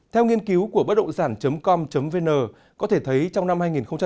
theo nghiên cứu của bất động sản com vn có thể thấy trong năm hai nghìn một mươi tám